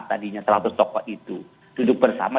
tadinya seratus tokoh itu duduk bersama